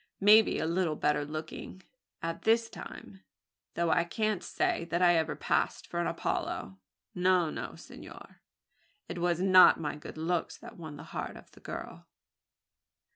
May be a little better looking than at this time; though I can't say that I ever passed for an Apollo. No no senor. It was not my good looks that won the heart of the girl."